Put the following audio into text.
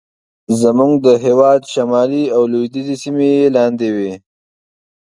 زموږ د هېواد شمالي او لوېدیځې سیمې یې لاندې وې.